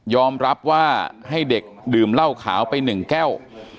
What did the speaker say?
รับว่าให้เด็กดื่มเหล้าขาวไป๑แก้ว